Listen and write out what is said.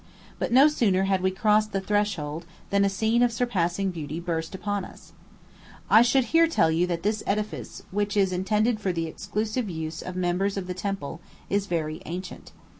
But no sooner had we crossed the threshold than a scene of surpassing beauty burst upon us. I should here tell you that this edifice, which is intended for the exclusive use of members of the Temple, is very ancient.